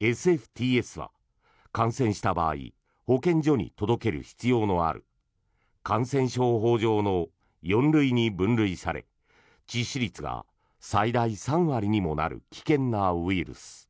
ＳＦＴＳは感染した場合保健所に届ける必要のある感染症法上の４類に分類され致死率が最大３割にもなる危険なウイルス。